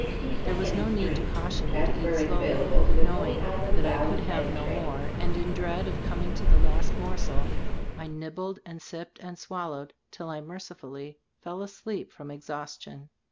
There was no need to caution me to eat slowly ; knowing that I could have no more, and in dread of coming to the last morsel, I nibbled and sipped and swallowed till I mercifully fell asleep from exhaustion.